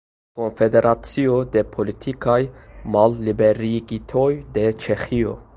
Konfederacio de politikaj malliberigitoj de Ĉeĥio.